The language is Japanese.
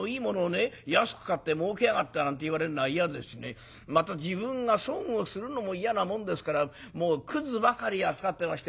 安く買って儲けやがったなんて言われるのは嫌ですしねまた自分が損をするのも嫌なもんですからもうくずばかり扱ってましてね。